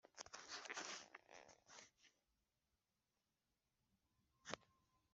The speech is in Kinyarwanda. kumenyana rero nibisanzwe cyane